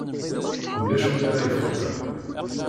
Ulac win ara ifiqen.